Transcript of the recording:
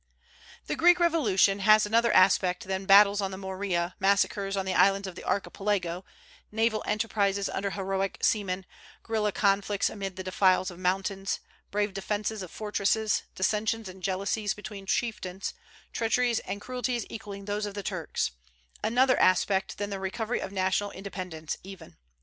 The Greek revolution has another aspect than battles on the Morea, massacres on the islands of the Archipelago, naval enterprises under heroic seamen, guerilla conflicts amid the defiles of mountains, brave defences of fortresses, dissensions and jealousies between chieftains, treacheries and cruelties equalling those of the Turks, another aspect than the recovery of national independence even.